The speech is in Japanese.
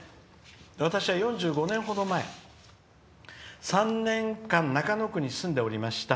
「私は４５年程前３年間中野区に住んでおりました。